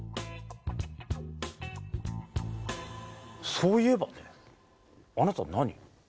そういえばねあなた何？